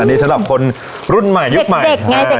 อันนี้สำหรับคนรุ่นใหม่ยุคใหม่เด็กเด็กไงเด็กเด็กอย่างเงี้ย